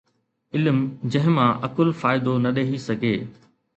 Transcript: علم جنهن مان عقل فائدو نه ڏئي سگهي